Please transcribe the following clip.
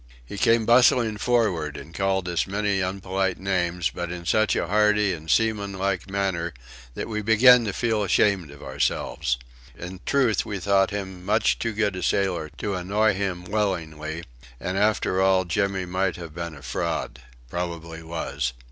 He came bustling forward, and called us many unpolite names but in such a hearty and seamanlike manner that we began to feel ashamed of ourselves. In truth, we thought him much too good a sailor to annoy him willingly: and after all Jimmy might have been a fraud probably was!